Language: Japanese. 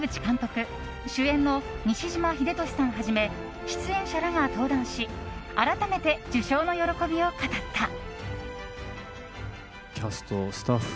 濱口監督主演の西島秀俊さんはじめ出演者らが登壇し改めて受賞の喜びを語った。